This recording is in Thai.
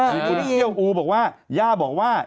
มีคนเที่ยวอูบอกว่าย่าบอกว่า